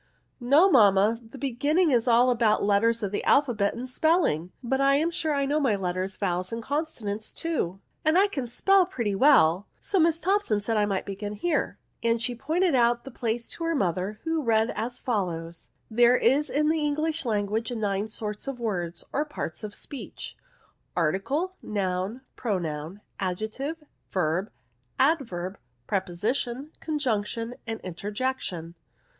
" No mamma, the beginning is all about the letters of the alphabet, and spelling ; but I am sure I know my letters, vowels, and conso nants too, and I can spell pretty well ; so Miss Thompson said I might begin here," and she pointed out the place to her mother, who read as follows :—" There are in the English lan guage nine sorts of words, or parts of speech : article, noun, pronoun, adjective, verb, adverb, preposition, conjunction, and interjection."